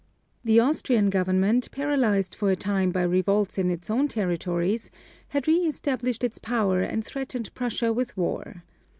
The Austrian government, paralyzed for a time by revolts in its own territories, had re established its power and threatened Prussia with war.